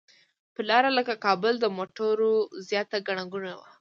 پر لاره لکه کابل د موټرو زیاته ګڼه ګوڼه وه.